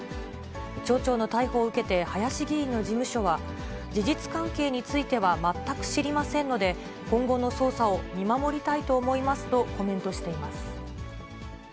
町長の逮捕を受けて林議員の事務所は、事実関係については全く知りませんので、今後の捜査を見守りたいと思いますとコメントしています。